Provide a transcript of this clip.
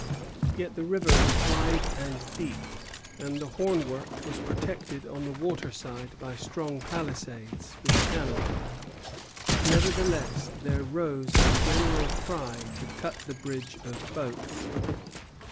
'" Yet the river was wide and deep, and the hornwork was protected on the water side by strong palisades, with cannon. Nevertheless there rose a general cry to cut the bridge of boats.